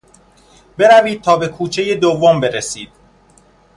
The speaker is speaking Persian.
بروید تا به کوچهی دوم برسید.